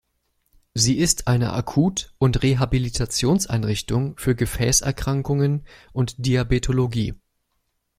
Sie ist eine Akut- und Rehabilitationseinrichtung für Gefäßerkrankungen und Diabetologie.